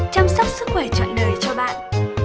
chăm sóc sức khỏe trọn đời cho bạn